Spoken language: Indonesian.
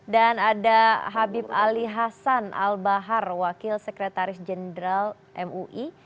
dan ada habib ali hasan al bahar wakil sekretaris jenderal mui